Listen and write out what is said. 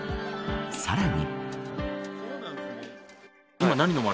さらに。